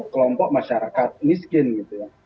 kelompok masyarakat miskin gitu ya